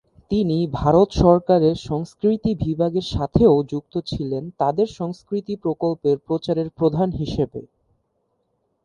তিনি ভারত সরকারের সংস্কৃতি বিভাগের সাথেও যুক্ত ছিলেন তাদের সংস্কৃতি প্রকল্পের প্রচারের প্রধান হিসাবে।